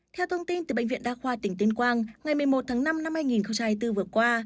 theo thông tin từ bệnh viện đa khoa tỉnh tuyên quang ngày một mươi một tháng năm năm hai nghìn hai mươi bốn vừa qua